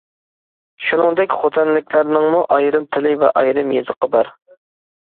شۇنىڭدەك خوتەنلىكلەرنىڭمۇ ئايرىم تىلى ۋە ئايرىم يېزىقى بار .